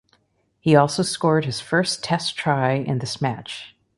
He also scored his first test try in this match.